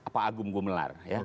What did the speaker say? pak agung gumelar